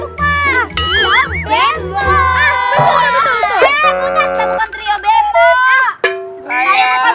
itu ya ampun